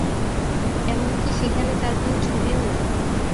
এমনকি সেখানে তার কোনো ছবিও নাই।